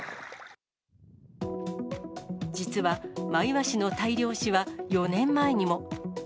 実は、マイワシの大量死は４年前にも。